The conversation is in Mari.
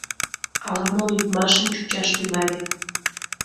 Ала-мо лӱдмашын чучаш тӱҥале.